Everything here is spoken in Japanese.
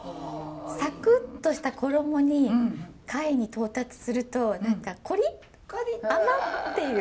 サクッとした衣に貝に到達するとコリッ「甘っ！」っていう。